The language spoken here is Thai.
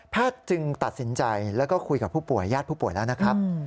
จึงตัดสินใจแล้วก็คุยกับผู้ป่วยญาติผู้ป่วยแล้วนะครับ